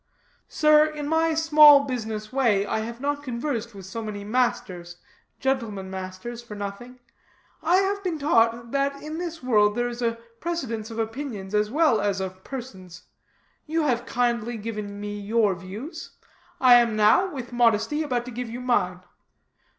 "Sir, in my small business way, I have not conversed with so many masters, gentlemen masters, for nothing. I have been taught that in this world there is a precedence of opinions as well as of persons. You have kindly given me your views, I am now, with modesty, about to give you mine."